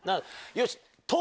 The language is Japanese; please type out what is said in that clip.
よし。